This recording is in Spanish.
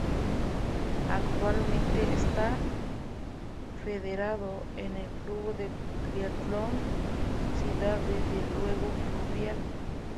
Actualmente está federado en el Club de Triatlón Cidade de Lugo Fluvial.